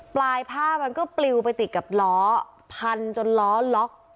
ปลายผ้ามันก็ปลิวไปติดกับล้อพันจนล้อล็อก